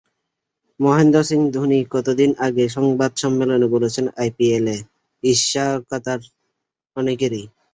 মহেন্দ্র সিং ধোনি কদিন আগে সংবাদ সম্মেলনেই বলেছেন, আইপিএলে ঈর্ষাকাতর অনেকেই।